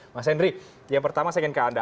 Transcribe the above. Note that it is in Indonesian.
mas henry yang pertama saya ingin ke anda